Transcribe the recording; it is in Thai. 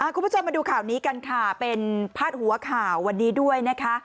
คุณผู้ชมมาดูข่าวนี้กันค่ะเป็นพาดหัวข่าววันนี้ด้วยนะคะ